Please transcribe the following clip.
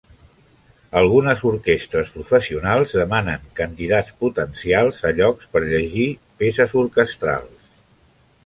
Algunes orquestres professionals demanen candidats potencials a llocs per llegir peces orquestrals.